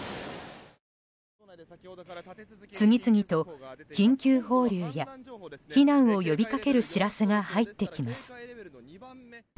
次々と緊急放流や避難を呼びかける知らせが入っています。